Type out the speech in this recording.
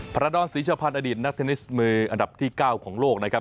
รดรศรีชะพันธ์อดีตนักเทนนิสมืออันดับที่๙ของโลกนะครับ